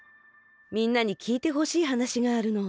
みんなにきいてほしいはなしがあるの。